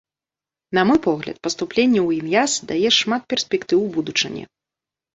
На мой погляд, паступленне ў ін'яз дае шмат перспектыў у будучыні.